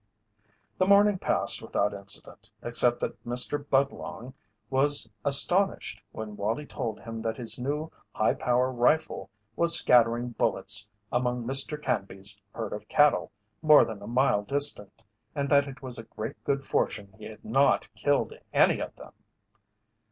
The morning passed without incident, except that Mr. Budlong was astonished when Wallie told him that his new high power rifle was scattering bullets among Mr. Canby's herd of cattle more than a mile distant and that it was great good fortune he had not killed any of them.